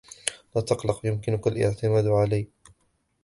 لا تقلق. يمكنك الإعتماد علي.